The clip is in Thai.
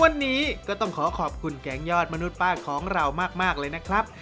วันนี้ก็ต้องขอขอบคุณแกงยอดมนุษย์ป้าของเรามากเลยนะครับ